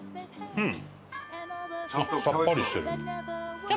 うん！